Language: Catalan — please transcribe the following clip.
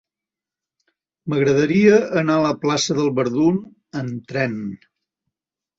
M'agradaria anar a la plaça del Verdum amb tren.